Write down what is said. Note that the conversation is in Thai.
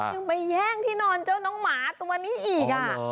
ยังไปแย่งที่นอนเจ้าน้องหมาตัวนี้อีก